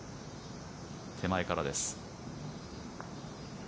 手前からです。